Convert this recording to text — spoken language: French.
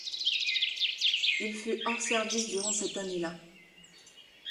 Il fut hors-service durant cette année-là.